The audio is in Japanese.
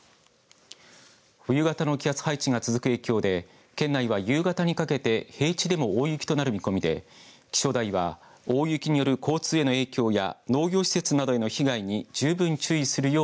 冬型の気圧配置が続く影響で県内は夕方にかけて平地でも大雪となる見込みで気象台は大雪による交通への影響や農業施設などへの被害に十分注意するよう